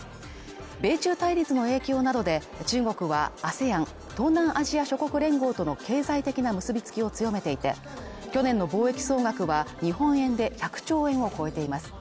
米中対立の影響などで、中国はＡＳＥＡＮ＝東南アジア諸国連合との経済的な結びつきを強めていて、去年の貿易総額は日本円で１００兆円を超えています。